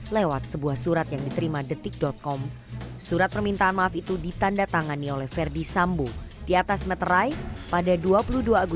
lewat sidang etik di mabes polri kamis pagi